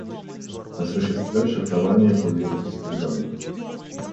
Осуществлять шифрование пользовательских данных